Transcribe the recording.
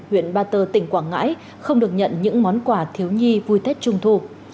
huyện ba tơ tỉnh quảng ngãi không được nhận những món quà thiếu nhi vui tết trung thu